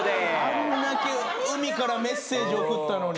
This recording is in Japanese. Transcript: あれだけ海からメッセージ送ったのに。